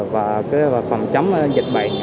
và phòng chống dịch bệnh